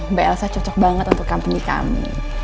mbak elsa cocok banget untuk company kami